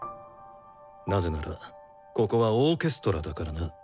なぜならここはオーケストラだからな。